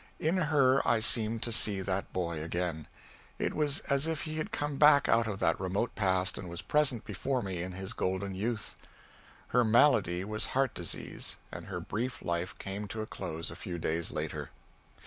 In her I seemed to see that boy again. It was as if he had come back out of that remote past and was present before me in his golden youth. Her malady was heart disease, and her brief life came to a close a few days later.